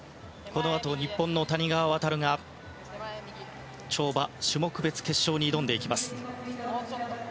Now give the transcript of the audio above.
このあと日本の谷川航が跳馬、種目別決勝に挑んでいきます。